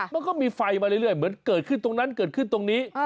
มันก็มีไฟมาเรื่อยเหมือนเกิดขึ้นตรงนั้นเกิดขึ้นตรงนี้